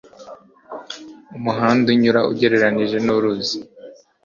Umuhanda unyura ugereranije nuruzi.